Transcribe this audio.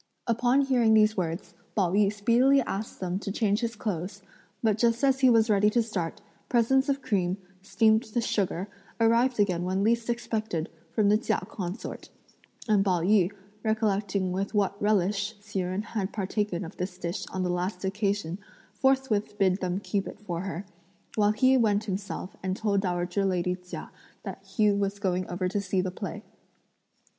Upon hearing these words, Pao yü speedily asked them to change his clothes; but just as he was ready to start, presents of cream, steamed with sugar, arrived again when least expected from the Chia Consort, and Pao yü recollecting with what relish Hsi Jen had partaken of this dish on the last occasion forthwith bid them keep it for her; while he went himself and told dowager lady Chia that he was going over to see the play.